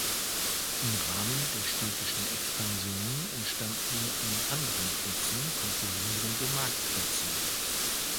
Im Rahmen der städtischen Expansion entstanden an anderen Plätzen konkurrierende Marktplätze.